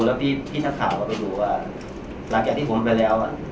แล้วพี่พี่ท่าข่าวก็ไปดูว่าหลักอย่างที่ผมไปแล้วอ่ะ